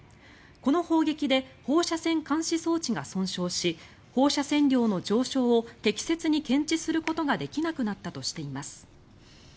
この砲撃で放射線監視装置が損傷し放射線量の上昇を適切に検知することができなくなったとしています。